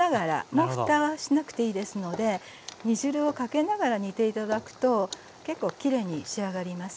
もうふたはしなくていいですので煮汁をかけながら煮て頂くと結構きれいに仕上がります。